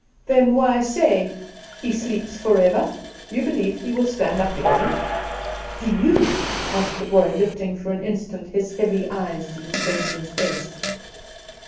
Then why say, 'He sleeps forever?' You believe he will stand up again?" "Do you?" asked the boy, lifting for an instant his heavy eyes to the stranger's face.